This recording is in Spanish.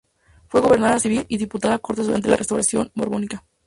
Fue gobernador civil y diputado a Cortes durante la Restauración borbónica.